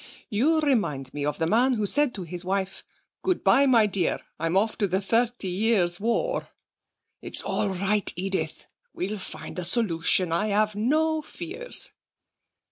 You remind me of the man who said to his wife: "Good bye, my dear, I'm off to the Thirty Years' War." It's all right, Edith. We'll find a solution, I have no fears.'